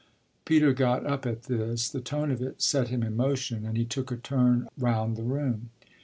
Peter got up at this; the tone of it set him in motion and he took a turn round the room.